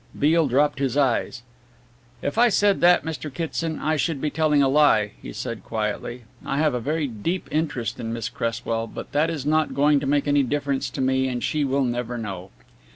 Beale dropped his eyes. "If I said that, Mr. Kitson, I should be telling a lie," he said quietly. "I have a very deep interest in Miss Cresswell, but that is not going to make any difference to me and she will never know."